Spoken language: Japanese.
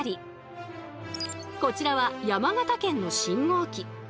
こちらは山形県の信号機。